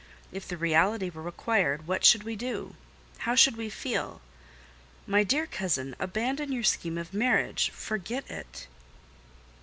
If the reality were required, what should we do? How should we feel? My dear cousin, abandon your scheme of marriage—forget it."